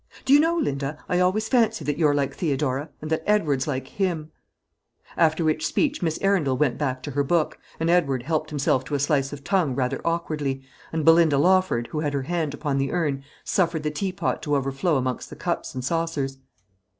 Do you know, Linda, I always fancy that you're like Theodora, and that Edward's like him." After which speech Miss Arundel went back to her book, and Edward helped himself to a slice of tongue rather awkwardly, and Belinda Lawford, who had her hand upon the urn, suffered the teapot to overflow amongst the cups and saucers.